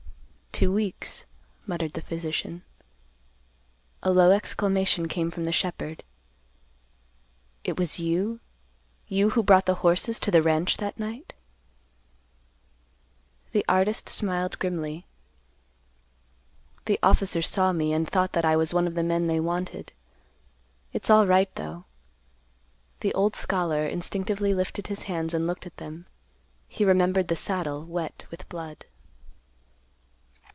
"Two weeks," muttered the physician. A low exclamation came from the shepherd. "It was you—you who brought the horses to the ranch that night?" The artist smiled grimly. "The officers saw me, and thought that I was one of the men they wanted. It's alright, though." The old scholar instinctively lifted his hands and looked at them. He remembered the saddle, wet with blood.